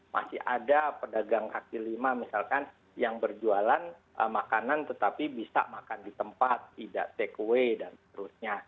masih ada pedagang kaki lima misalkan yang berjualan makanan tetapi bisa makan di tempat tidak take away dan seterusnya